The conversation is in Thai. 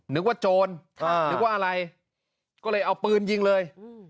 นึกว่าโจรนึกว่าอะไรก็เลยเอาปืนยิงเลย